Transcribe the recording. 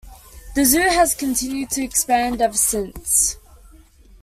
The zoo has continued to expand ever since.